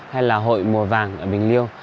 hay là hội mùa vàng ở bình liêu